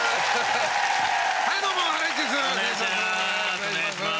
お願いします。